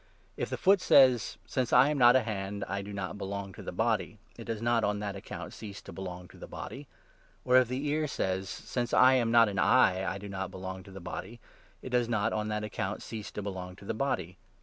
If the foot says ' Since I am not a hand, I do not belong to the 15 body,' it does not on that account cease to belong to the body. Or if the ear says ' Since I am not an eye, I do not belong to 16 the body,' it does not on that account cease to belong to the body.